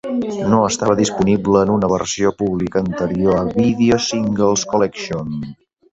No estava disponible en una versió pública anterior a "Video Singles Collection".